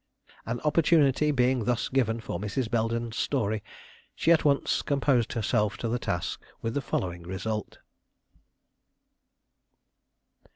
An opportunity being thus given for Mrs. Belden's story, she at once composed herself to the task, with the following result.